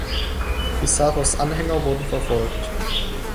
Pizarros Anhänger wurden verfolgt.